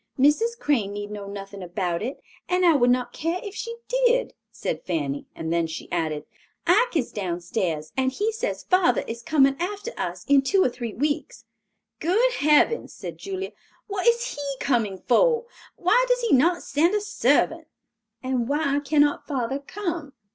"Mrs. Crane need know nothing about it, and would not care if she did," said Fanny, and then she added, "Ike is downstairs, and he says father is coming after us in two or three weeks." "Good heavens," said Julia; "what is he coming for? Why does he not send a servant?" "And why cannot father come?"